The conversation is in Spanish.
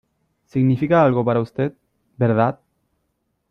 significa algo para usted, ¿ verdad?